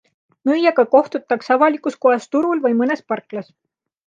Müüjaga kohtutakse avalikus kohas turul või mõnes parklas.